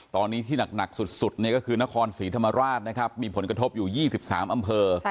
ตอนนี้ที่หนักสุดก็คือนครศรีธรรมราชนะครับมีผลกระทบอยู่๒๓อำเภอ